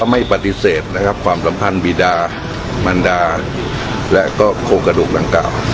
ไม่ปฏิเสธนะครับความสัมพันธ์บีดามันดาและก็โครงกระดูกดังกล่าว